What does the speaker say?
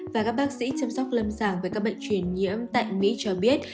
và các bác sĩ chăm sóc lâm sàng với các bệnh truyền nhiễm tại mỹ cho biết